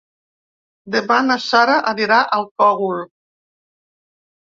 Demà na Sara anirà al Cogul.